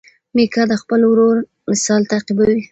میکا د خپل ورور مثال تعقیبوي.